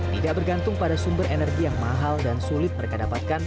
tidak bergantung pada sumber energi yang mahal dan sulit mereka dapatkan